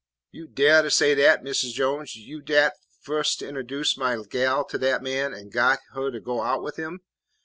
"You daih to say dat, Mis' Jones, you dat fust interduced my gal to dat man and got huh to go out wid him?